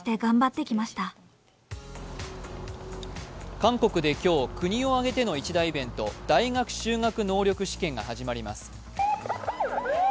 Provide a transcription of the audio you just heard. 韓国で今日、国を挙げての一大イベント、大学修学能力試験が始まります。